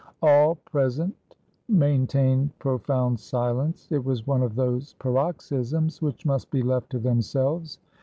All present maintained profound silence. It was one of those paroxysms which must be left to themselves.